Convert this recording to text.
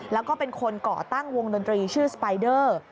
แล้วก็เป็นคนก่อตั้งวงดนตรีชื่อสไปเดอร์